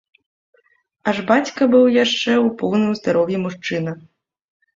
Аж бацька быў яшчэ ў поўным здароўі мужчына.